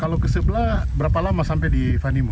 kalau ke sebelah berapa lama sampai di fanima